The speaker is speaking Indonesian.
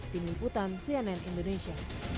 tim liputan cnn indonesia